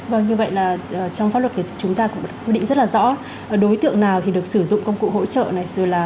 vâng như vậy là trong pháp luật thì chúng ta cũng đã quy định rất là rõ đối tượng nào thì được sử dụng công cụ hỗ trợ này